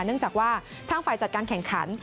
เนื่องจากว่าทางฝ่ายจัดการแข่งขัน